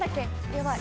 やばい。